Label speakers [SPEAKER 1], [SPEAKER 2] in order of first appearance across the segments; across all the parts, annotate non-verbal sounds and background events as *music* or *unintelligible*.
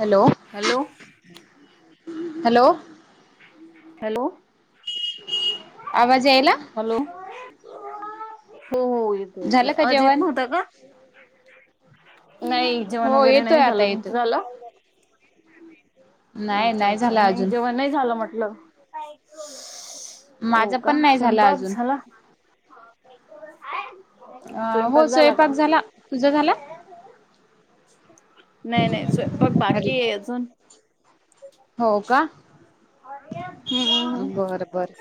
[SPEAKER 1] Hello.
[SPEAKER 2] Hello.
[SPEAKER 1] Hello.
[SPEAKER 2] Hello.
[SPEAKER 1] आवाज यायला.
[SPEAKER 2] Hello हो हो येतो येतोय
[SPEAKER 1] झालं का
[SPEAKER 2] आवाज येत
[SPEAKER 1] जेवण
[SPEAKER 2] नव्हता का? नाही जेवण
[SPEAKER 1] हो
[SPEAKER 2] वगैरे
[SPEAKER 1] येतोय
[SPEAKER 2] नाही
[SPEAKER 1] आता
[SPEAKER 2] झालं तुमचं
[SPEAKER 1] येतोय
[SPEAKER 2] झालं?
[SPEAKER 1] नाही
[SPEAKER 2] अच्छा अच्छा
[SPEAKER 1] झाला
[SPEAKER 2] नाही
[SPEAKER 1] अजून
[SPEAKER 2] जेव्हा नाही झालं म्हटलं. हो
[SPEAKER 1] माझा पण
[SPEAKER 2] का
[SPEAKER 1] नाही
[SPEAKER 2] स्वयंपाक
[SPEAKER 1] अजून
[SPEAKER 2] झाला?
[SPEAKER 1] अ हो
[SPEAKER 2] स्वयंपाक
[SPEAKER 1] स्वयंपाक
[SPEAKER 2] का?
[SPEAKER 1] झाला तुझा झाला?
[SPEAKER 2] नाही नाही स्वयंपाक
[SPEAKER 1] अरे
[SPEAKER 2] बाकी आहे अजून.
[SPEAKER 1] हो का.
[SPEAKER 2] हम्म
[SPEAKER 1] बर बर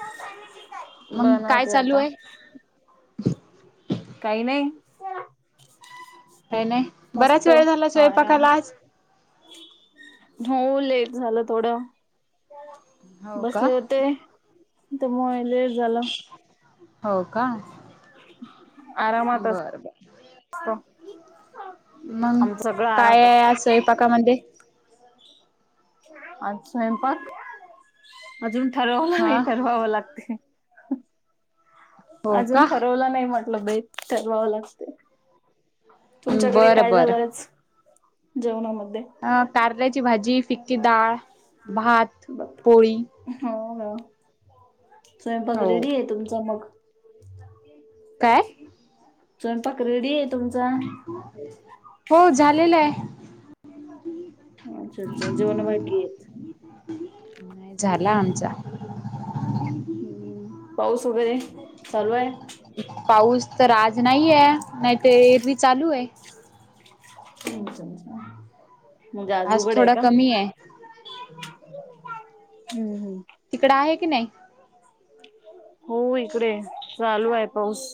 [SPEAKER 1] मग काय
[SPEAKER 2] बनवते
[SPEAKER 1] चालू
[SPEAKER 2] आता.
[SPEAKER 1] आहे?
[SPEAKER 2] काही नाही.
[SPEAKER 1] का नाही बराच,
[SPEAKER 2] मस्त
[SPEAKER 1] वेळ झाला
[SPEAKER 2] आराम.
[SPEAKER 1] स्वयंपाकाला आज?
[SPEAKER 2] हो लेट झालं थोडं.
[SPEAKER 1] हो का
[SPEAKER 2] बसले होते त्यामुळे लेट झालं.
[SPEAKER 1] हो का
[SPEAKER 2] आरामात
[SPEAKER 1] बर बर.
[SPEAKER 2] *unintelligible*
[SPEAKER 1] मग
[SPEAKER 2] आमचं सगळं
[SPEAKER 1] काय
[SPEAKER 2] आरामात
[SPEAKER 1] आहे आज
[SPEAKER 2] असतं.
[SPEAKER 1] स्वयंपाकामध्ये?
[SPEAKER 2] आज स्वयंपाक अजून ठरवला
[SPEAKER 1] हा
[SPEAKER 2] नाही ठरवावं लागते.
[SPEAKER 1] हो
[SPEAKER 2] अजून
[SPEAKER 1] का
[SPEAKER 2] ठरवलं नाही म्हटलं बेट ठरवावं लागते. तुमच्याकडे
[SPEAKER 1] बरं
[SPEAKER 2] काय
[SPEAKER 1] बरं
[SPEAKER 2] झालंय आज जेवणामध्ये?
[SPEAKER 1] अ कारल्याची भाजी फिक्की डाळ भात पोळी.
[SPEAKER 2] हो स्वयंपाक
[SPEAKER 1] हो
[SPEAKER 2] रेडी आहे तुमचा मग.
[SPEAKER 1] काय?
[SPEAKER 2] स्वयंपाक रेडी आहे तुमचा?
[SPEAKER 1] हो झालेलं आहे.
[SPEAKER 2] अच्छा अच्छा जेवण बाकी आहेत.
[SPEAKER 1] झाला आमचा.
[SPEAKER 2] हम्म पाऊस वगैरे चालू आहे?
[SPEAKER 1] पाऊस तर आज नाहीय नाहीतर एरवी चालू आहे.
[SPEAKER 2] म्हणजे आज उघड आहे
[SPEAKER 1] थोडा
[SPEAKER 2] का?
[SPEAKER 1] कमी आहे
[SPEAKER 2] हम्म हम्म.
[SPEAKER 1] तिकड आहे की नाही?
[SPEAKER 2] हो इकडे चालू आहे पाऊस.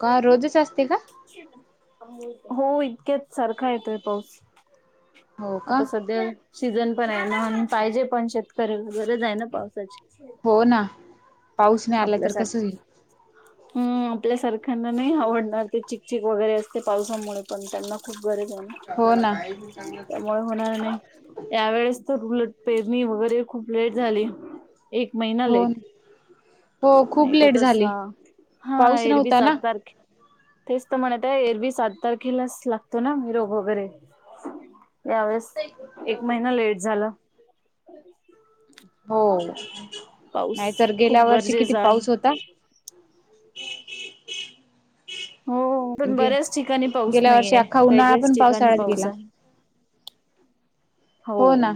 [SPEAKER 1] का रोजच असते का?
[SPEAKER 2] हो इतक्यात सारखा येतोय पाऊस.
[SPEAKER 1] हो का
[SPEAKER 2] आता सध्या सीझन पण आहे ना अन पाहिजे पण शेतकरी गरज आहे ना पावसाची.
[SPEAKER 1] हो ना पाऊस नाही आला तर कसं होईल.
[SPEAKER 2] हम्, आपल्या सारख्यांना नाही आवडणार ते चिखल चिक वगैरे असते पावसामुळे, पण त्यांना खूप गरज आहे.
[SPEAKER 1] हो ना.
[SPEAKER 2] त्यामुळे होणार नाही, यावेेळेस तर उलट पेरणी वगैरे खूप लेट झाली. एक महिना
[SPEAKER 1] हो
[SPEAKER 2] लेट.
[SPEAKER 1] हो खूप
[SPEAKER 2] नाही तर
[SPEAKER 1] लेट
[SPEAKER 2] तस,,
[SPEAKER 1] झाली
[SPEAKER 2] हा
[SPEAKER 1] पाऊस
[SPEAKER 2] एरवी
[SPEAKER 1] नव्हता
[SPEAKER 2] सात
[SPEAKER 1] ना
[SPEAKER 2] तारखे तेच तर म्हणत आहे, एरवी सात तारखेलाच लागतो ना मीरग वगैरे. यावेेळेस एक महिना लेट झालं.
[SPEAKER 1] हो,
[SPEAKER 2] पाऊस
[SPEAKER 1] नाहीतर गेल्या
[SPEAKER 2] खूप
[SPEAKER 1] वर्षी किती
[SPEAKER 2] गरजेचा आहे
[SPEAKER 1] पाऊस होता.
[SPEAKER 2] हो, पण
[SPEAKER 1] गे
[SPEAKER 2] बऱ्याच ठिकाणी पाऊस
[SPEAKER 1] गेल्या वर्षी
[SPEAKER 2] नाहीेयेय,
[SPEAKER 1] अख्खा
[SPEAKER 2] काही
[SPEAKER 1] उन्हाळा
[SPEAKER 2] काहीच
[SPEAKER 1] पण
[SPEAKER 2] ठिकाणी
[SPEAKER 1] पावसाळ्यात
[SPEAKER 2] पाऊस
[SPEAKER 1] गेला.
[SPEAKER 2] आहे.
[SPEAKER 1] हो ना.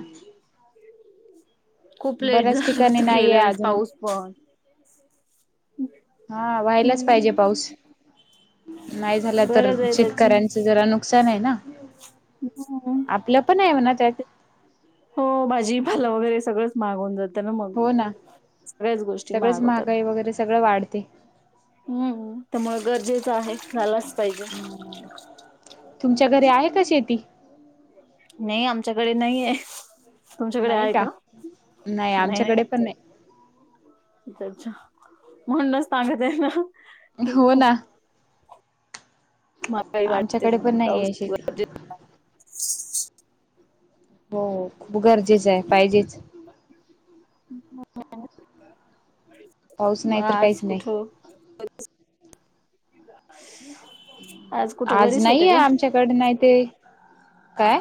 [SPEAKER 2] खूप लेट
[SPEAKER 1] बऱ्याच
[SPEAKER 2] झाल
[SPEAKER 1] ठिकाणी
[SPEAKER 2] होत
[SPEAKER 1] नाहीये
[SPEAKER 2] गेल्या वेळेस
[SPEAKER 1] अजून
[SPEAKER 2] पाऊस पण
[SPEAKER 1] हा, व्हायलाच
[SPEAKER 2] हम्म
[SPEAKER 1] पाहिजे पाऊस. नाही झाला तर,
[SPEAKER 2] गरज आहे त्याची
[SPEAKER 1] शेतकऱ्यांच जरा नुकसान आहे ना,
[SPEAKER 2] हम्म
[SPEAKER 1] आ आपलं पण आहे म्हणा त्यात.
[SPEAKER 2] हो भाजीपाला वगैरे सगळंच महाग होवून जातं ना मग,
[SPEAKER 1] हो ना
[SPEAKER 2] सगळ्याच गोष्टी
[SPEAKER 1] सगळंच
[SPEAKER 2] महाग होतात.
[SPEAKER 1] महागाई वगैरे सगळं वाढते.
[SPEAKER 2] हम्म त्यामग गरजेचं आहे, झालाच पाहिजे.
[SPEAKER 1] तुमच्या घरी आहे का शेती?
[SPEAKER 2] नाही, आमच्याकडे नाहीये. तुमच्याकडे आहे का? नाही नाही आमच्याकडे अच्छा अच्छा, म्हणूनच तर आम्ही त्याना
[SPEAKER 1] हो ना
[SPEAKER 2] महागाई वाढते
[SPEAKER 1] आमच्याकडे पण
[SPEAKER 2] म्हणून
[SPEAKER 1] नाही
[SPEAKER 2] पाऊस
[SPEAKER 1] आहे शेती
[SPEAKER 2] गरजेच आहे.
[SPEAKER 1] हो, खूप गरजेचं आहे पाहिजेच.
[SPEAKER 2] ह *unintelligible*
[SPEAKER 1] पाऊस
[SPEAKER 2] मग
[SPEAKER 1] नाही तर
[SPEAKER 2] आज
[SPEAKER 1] काहीच नाही
[SPEAKER 2] कुठं? आज कुठं घरीच होते का?
[SPEAKER 1] कड नाही ते काय?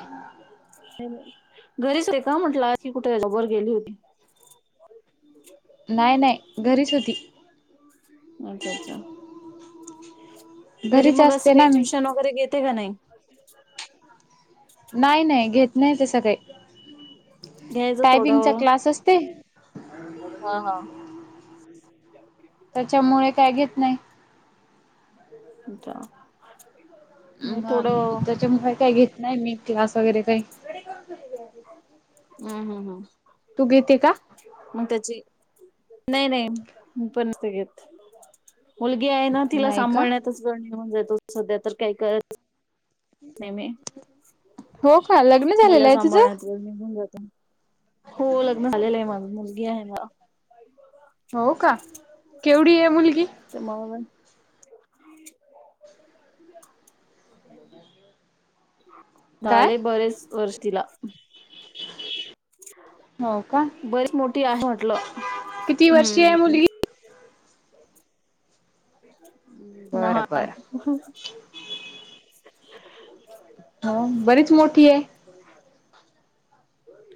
[SPEAKER 2] घरीच होती का, म्हटलं की कुठे बाहेर गेली होती?
[SPEAKER 1] नाही नाही घरीच होती.
[SPEAKER 2] अच्छा अच्छा. घरी
[SPEAKER 1] घरीच
[SPEAKER 2] मग असं
[SPEAKER 1] असते ना
[SPEAKER 2] काही
[SPEAKER 1] मी
[SPEAKER 2] ट्यूशन वगैरे घेते का नाही?
[SPEAKER 1] नाही नाही घेत नाही तसं काही,
[SPEAKER 2] घ्यायचं
[SPEAKER 1] टायपिंगचा
[SPEAKER 2] थोडं
[SPEAKER 1] क्लास असते.
[SPEAKER 2] हा हा
[SPEAKER 1] त्याच्यामुळे काय घेत नाही.
[SPEAKER 2] बरं
[SPEAKER 1] त्याच्यामुळे काही घेत नाही, मी क्लास वगैरे काही
[SPEAKER 2] हम्म हम्म हम्म.
[SPEAKER 1] तू घेते का?
[SPEAKER 2] मग त्याची नाही नाही मी पण आता घेत मुलगी आहे ना, तिला
[SPEAKER 1] नाही का?
[SPEAKER 2] सांभाळण्यातच वेळ निघन जातो, सध्या तर काय करत नाही मी,
[SPEAKER 1] हो का लग्न झालेलं
[SPEAKER 2] मुलं
[SPEAKER 1] आहे तुझं?
[SPEAKER 2] सांभाळण्यात वेळ निघून जातो. हो लग्न झालेलं आहे माझं, मुलगी आहे मला.
[SPEAKER 1] हो का, केवढी आहे मुलगी?
[SPEAKER 2] त्याच्यामुळे मग ह
[SPEAKER 1] काय?
[SPEAKER 2] झाले बरेच, वर्ष तिला
[SPEAKER 1] ह् हो का
[SPEAKER 2] बरीच मोठी आहे म्हटलं
[SPEAKER 1] किती वर्षीय आहे
[SPEAKER 2] हम्म
[SPEAKER 1] मुलगी?
[SPEAKER 2] ना
[SPEAKER 1] बरं बरं.
[SPEAKER 2] *unintelligible*
[SPEAKER 1] हा बरीच मोठी आहे.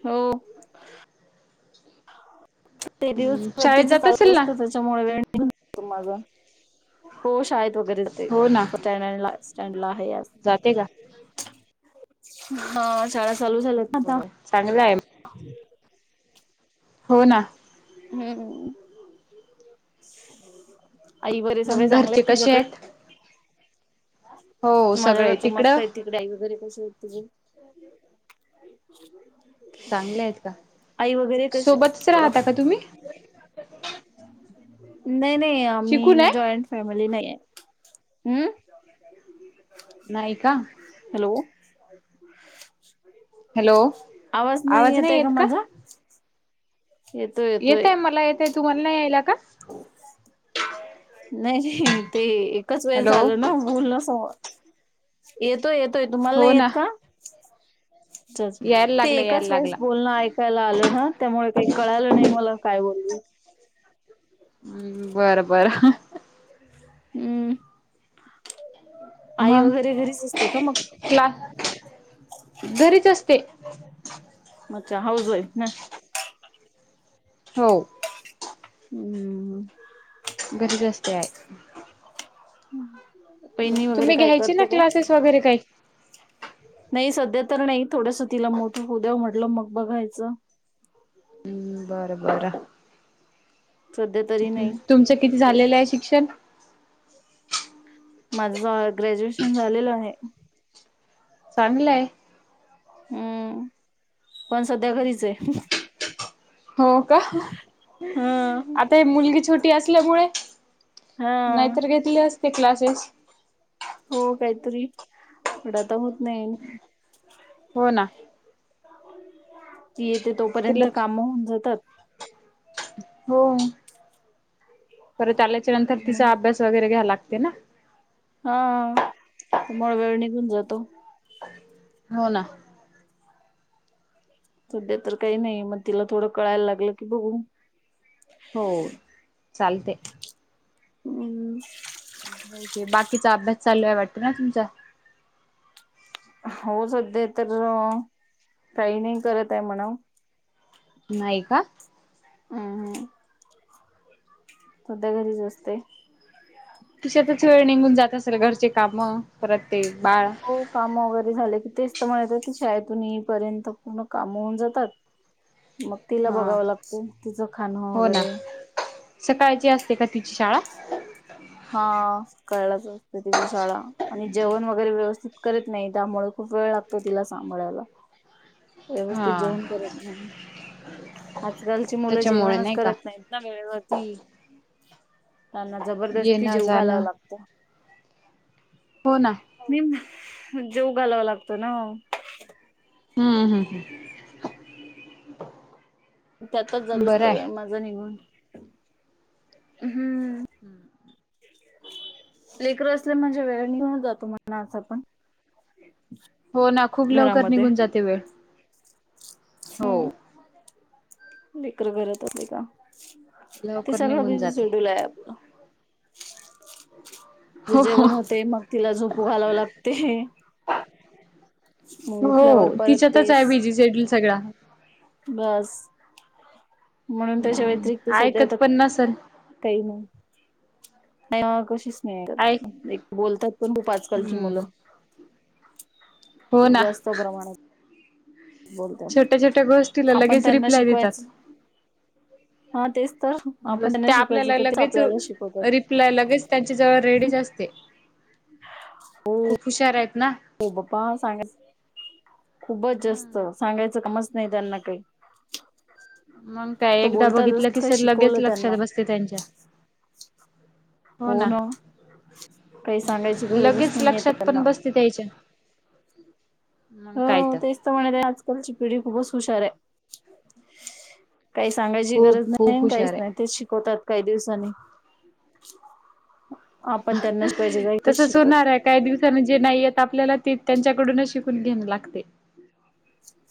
[SPEAKER 2] हो ते दिवस
[SPEAKER 1] हम्म,
[SPEAKER 2] भर
[SPEAKER 1] शाळेत
[SPEAKER 2] तिच
[SPEAKER 1] जात
[SPEAKER 2] चालू
[SPEAKER 1] असेल ना?
[SPEAKER 2] असतं. त्याच्यामुळे वेळ माझा हो शाळेत वगैरे जाते
[SPEAKER 1] हो ना
[SPEAKER 2] स्टॅन्ड स्टॅन्डला आहे आज
[SPEAKER 1] जाते का?
[SPEAKER 2] हा शाळा
[SPEAKER 1] बरोबर चांगलं आहे मग
[SPEAKER 2] औह
[SPEAKER 1] हो ना
[SPEAKER 2] हम्म आई बरे सगळे
[SPEAKER 1] मग
[SPEAKER 2] चांगले
[SPEAKER 1] घरचे
[SPEAKER 2] आहेत
[SPEAKER 1] कसे
[SPEAKER 2] तुझ्याकडे?
[SPEAKER 1] हो
[SPEAKER 2] माझ्या
[SPEAKER 1] सगळे
[SPEAKER 2] घरच मस्त
[SPEAKER 1] तिकडं
[SPEAKER 2] आहे तिकडे आई वगैरे कशी आहेत तुझे
[SPEAKER 1] चांगले आहेत का?
[SPEAKER 2] आई वगैरे कशी
[SPEAKER 1] सोबतच
[SPEAKER 2] म्हटल
[SPEAKER 1] राहता का तुम्ही?
[SPEAKER 2] नाही नाही
[SPEAKER 1] शिकून
[SPEAKER 2] आम्ही
[SPEAKER 1] आहे
[SPEAKER 2] जॉईंट फॅमिली नाही आहे हम्
[SPEAKER 1] नाही का
[SPEAKER 2] हॅलो
[SPEAKER 1] हॅलो
[SPEAKER 2] आवाज नाही येत आहे का माझा येतोय येतोय
[SPEAKER 1] येतय मला येतय तुम्हाला नाही यायला का
[SPEAKER 2] नाही नाही ते एकच वेळ
[SPEAKER 1] हॅलो
[SPEAKER 2] झाल ना बोलण समोर येतोय येतोय तुम्हाला
[SPEAKER 1] हो
[SPEAKER 2] नाही
[SPEAKER 1] ना
[SPEAKER 2] येत का
[SPEAKER 1] यायला
[SPEAKER 2] ते
[SPEAKER 1] लागला यायला
[SPEAKER 2] एकाच वेळेस
[SPEAKER 1] लागला
[SPEAKER 2] बोलण ऐकायला आल ना त्यामुळे काही कळाल नाही मला काय बोलली
[SPEAKER 1] हम् बर बर
[SPEAKER 2] हम्म आई
[SPEAKER 1] मग
[SPEAKER 2] वेगैरे घरीच असते का मग
[SPEAKER 1] क्लास घरीच असते
[SPEAKER 2] म अच्छा हाउस वाईफ होय
[SPEAKER 1] हो
[SPEAKER 2] हम्म
[SPEAKER 1] घरीच असते आई
[SPEAKER 2] वहीणी वेगैरे
[SPEAKER 1] तुम्ही
[SPEAKER 2] काय
[SPEAKER 1] घ्यायचे ना
[SPEAKER 2] करते का
[SPEAKER 1] क्लासेस वगैरे काही
[SPEAKER 2] नाही सध्या तर नाही थोडस तिला मोठ होउद्या म्हटल मग बघायच
[SPEAKER 1] बर बर
[SPEAKER 2] सध्या तरी नाही.
[SPEAKER 1] तुमच किती झालेल आहे शिक्षण
[SPEAKER 2] माझ ग्रॅज्युएशन झालेल आहे-
[SPEAKER 1] चांगल आहे
[SPEAKER 2] हम्म पण सध्या घरीच आहे
[SPEAKER 1] हो का
[SPEAKER 2] हा
[SPEAKER 1] आता हे मुलगी छोटी असल्यामुळे
[SPEAKER 2] हा
[SPEAKER 1] नाहीतर घेतले असते क्लासेस
[SPEAKER 2] हो काहीतरी पड आता होत नाही
[SPEAKER 1] हो ना
[SPEAKER 2] ती येते
[SPEAKER 1] तिला
[SPEAKER 2] तोपर्यंत काम होऊन जातात
[SPEAKER 1] हो परत आल्याच्या नंतर
[SPEAKER 2] मग
[SPEAKER 1] तिचा अभ्यास वेगैरे घ्या लागते ना
[SPEAKER 2] हा त्यामुळे वेळ निघुन जातो
[SPEAKER 1] हो ना
[SPEAKER 2] सध्या तर काही नाही मग तिला थोड कळायल लागल की बघु
[SPEAKER 1] हो चालते
[SPEAKER 2] हम्म
[SPEAKER 1] म्हणजे बाकीचा अभ्यास चालु आहे वाटत ना तुमचा
[SPEAKER 2] हो सध्या तर काही नाही करत आहे म्हणा
[SPEAKER 1] नाही का
[SPEAKER 2] हम हम सध्या घरीच असते
[SPEAKER 1] तिच्यातच वेळ निघुन जात असेल घरचे काम परत बाळ
[SPEAKER 2] हो काम वेगैरे झाले की तेच तर म्हणत शाळेतुन येई पर्यंत पुर्ण काम होऊन जातात
[SPEAKER 1] ह *inaudible*
[SPEAKER 2] मग तिला बघाव लागत तिच खाण
[SPEAKER 1] हो ना.
[SPEAKER 2] वेगैरे
[SPEAKER 1] सकाळची असते का तिची शाळा
[SPEAKER 2] हा, सकाळलाच असते तिची शाळा. आणि जेवण वगैरे व्यवस्थित करीत नाही, त्यामुळे खूप वेळ लागतो तिला सांभाळायला. व्यवस्थित
[SPEAKER 1] हा
[SPEAKER 2] जेवण करत नाही, आजकालची मुलं
[SPEAKER 1] त्याच्यामुळे
[SPEAKER 2] जेवणच
[SPEAKER 1] नाही का
[SPEAKER 2] करत नाहीत. त्यांना वेळवरती त्यांना जबरदस्ती
[SPEAKER 1] येणं
[SPEAKER 2] जेवु घालावं
[SPEAKER 1] जाणं.
[SPEAKER 2] लागतं.
[SPEAKER 1] हो ना,
[SPEAKER 2] मी म जेवु घालाव लागतो ना.
[SPEAKER 1] हम्म, हम्म हम्
[SPEAKER 2] त्यातच जात
[SPEAKER 1] बरं
[SPEAKER 2] असतो
[SPEAKER 1] आहे
[SPEAKER 2] वेळ माझा निघून, हम्म.
[SPEAKER 1] *inaudible*
[SPEAKER 2] लेकरं असले म्हणजे वेळं निघुन जातो, म्हणा आसं पण
[SPEAKER 1] हो ना, खूप लवकर
[SPEAKER 2] घरामध्ये.
[SPEAKER 1] निघून जाते वेळ हो.
[SPEAKER 2] लेकरं घरात असली का, ते
[SPEAKER 1] लवकर
[SPEAKER 2] सगळं
[SPEAKER 1] निघून
[SPEAKER 2] बिझी
[SPEAKER 1] जाते.
[SPEAKER 2] शेड्यूल आहे आपलं. तिचे
[SPEAKER 1] हो
[SPEAKER 2] जेवण होते, मग तिला झोपू घालावं लागते. मग उठल्यावर
[SPEAKER 1] हो
[SPEAKER 2] परत
[SPEAKER 1] तिच्यातच आहे
[SPEAKER 2] तेस-'
[SPEAKER 1] बिझी शेड्यूल सगळा
[SPEAKER 2] बास म्हणून त्याच्या व्यतिरिक्त सध्या आता
[SPEAKER 1] ऐकत पण नसल
[SPEAKER 2] काही नाही म कोशिस
[SPEAKER 1] ऐक
[SPEAKER 2] हं एक बोलतात पण खूप आजकालची
[SPEAKER 1] हम्म.
[SPEAKER 2] मुलं.
[SPEAKER 1] हो
[SPEAKER 2] खूप
[SPEAKER 1] ना
[SPEAKER 2] जास्त प्रमाणात बोलतात
[SPEAKER 1] छोट्या -छोट्या गोष्टी
[SPEAKER 2] आपण
[SPEAKER 1] लगेच
[SPEAKER 2] त्यांना
[SPEAKER 1] रिप्लाय देतात.
[SPEAKER 2] शिकवायचं हा तेच तर आपण
[SPEAKER 1] बस
[SPEAKER 2] त्यांना
[SPEAKER 1] त्या
[SPEAKER 2] शिकवायचं
[SPEAKER 1] आपल्याला
[SPEAKER 2] तर, ते
[SPEAKER 1] लगेच
[SPEAKER 2] आपल्याला शिकवतात.
[SPEAKER 1] रिप्लाय लगेच त्यांच्या जवळ रेडीच असते.
[SPEAKER 2] खुप
[SPEAKER 1] खूप हुशार आहेत ना.
[SPEAKER 2] हो पप्पा सांगायसच खूपच जास्त,
[SPEAKER 1] हम्म
[SPEAKER 2] सांगायचं कामच नाही त्यांना काही.
[SPEAKER 1] मग काय
[SPEAKER 2] तर
[SPEAKER 1] एकदा
[SPEAKER 2] बोलतातच
[SPEAKER 1] बघितलं की
[SPEAKER 2] काय
[SPEAKER 1] सर लगेच
[SPEAKER 2] शिकवलं त्यांना
[SPEAKER 1] लक्षात बसते त्यांच्या. हो ना,
[SPEAKER 2] काही सांगायची गरजच
[SPEAKER 1] लगेच
[SPEAKER 2] नाहीये
[SPEAKER 1] लक्षात
[SPEAKER 2] त्यांना
[SPEAKER 1] पण बस ते यायच्या मगं काय त
[SPEAKER 2] *unintelligible* आजकालची पिढी खूपच हुशार आहे. काही सांगायची
[SPEAKER 1] खूप
[SPEAKER 2] गरज
[SPEAKER 1] खूप
[SPEAKER 2] नाही,
[SPEAKER 1] हुशार
[SPEAKER 2] काहीच नाही
[SPEAKER 1] आहे.
[SPEAKER 2] तेच शिकवतात. काही दिवसांनी आपण त्यांनाच शिकवायच्या जागी तेच
[SPEAKER 1] तसंच
[SPEAKER 2] शिकवतात.
[SPEAKER 1] होणार आहे काही दिवसाांनी जे नाही येत आपल्याला ते त्यांच्याकडूनच शिकून घेणं लागते.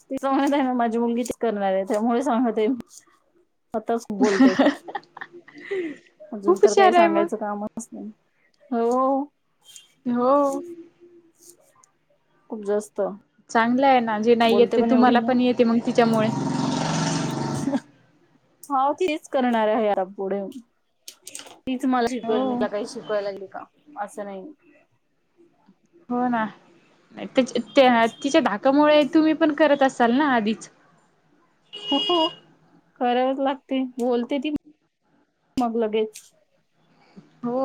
[SPEAKER 2] ती सांगत आहे म माझी मुलगी त करणार आहे त्यामुळे सांगते
[SPEAKER 1] *inaudible*
[SPEAKER 2] अजून तर काही
[SPEAKER 1] हुशार आहे मग
[SPEAKER 2] सांगायचं कामच नाही, हो.
[SPEAKER 1] हो,
[SPEAKER 2] खूप जास्त
[SPEAKER 1] चांगलं आहे ना, जे नाही येत
[SPEAKER 2] बोलते
[SPEAKER 1] ते
[SPEAKER 2] एवढी
[SPEAKER 1] तुम्हाला पण येते मग तिच्यामुळे.
[SPEAKER 2] हाव तेच करणार आहे ह्या पुढे तीच मला
[SPEAKER 1] हो
[SPEAKER 2] शिकवेल मी तिला काही शिकवायला लागली का असं नाही.
[SPEAKER 1] हो ना, त्या तिच्या धाकामुळे तुम्ही पण करत असाल ना आधीच?
[SPEAKER 2] हो- हो करावच लागती बोलती ती. मग लगेच
[SPEAKER 1] हो,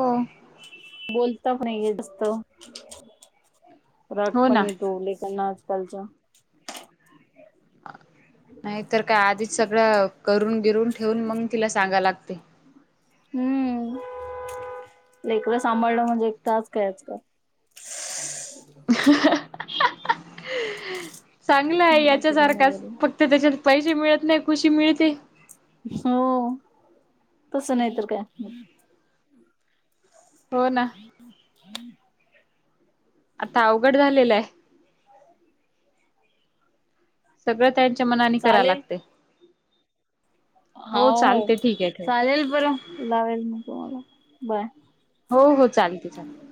[SPEAKER 2] बोलता पण येत *inaudible* असतं. राग
[SPEAKER 1] हो
[SPEAKER 2] पण
[SPEAKER 1] ना
[SPEAKER 2] येतो लेकांना आजकालच्या.
[SPEAKER 1] नाही तर काय आधीच सगळं करून- बिरून ठेवून मग तिला सांगा लागते.
[SPEAKER 2] हम्म *inaudible* लेकरं सांभाळण म्हणजे एक टास्क आहे आज काल.
[SPEAKER 1] *inaudible* चांगलं आहे याच्या सारखाच. फ तर त्याच्यान पैशे मिळत नाही, खुशी मिळते.
[SPEAKER 2] हो तस नाही तर काय.
[SPEAKER 1] हो ना.
[SPEAKER 2] हम् हम् *inaudible*
[SPEAKER 1] आता अवघड झालेलाय. सगळं त्यांच्या मनानी करा
[SPEAKER 2] चालेल
[SPEAKER 1] लागते. हो
[SPEAKER 2] हाव,
[SPEAKER 1] चालते ठीक आहे ठेव
[SPEAKER 2] चालेल बरं लावेल मग तुम्हाला बाय.
[SPEAKER 1] हो- हो, चालते -चालते.